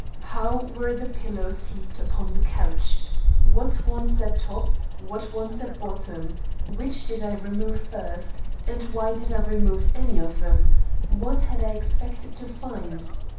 How were the pillows heaped upon the couch? What ones at top, what ones at bottom? Which did I remove first, and why did I remove any of them? What had I expected to find?